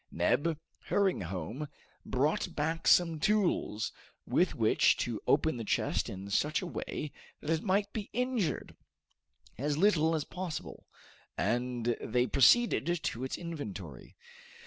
Neb, hurrying home, brought back some tools with which to open the chest in such a way that it might be injured as little as possible, and they proceeded to its inventory.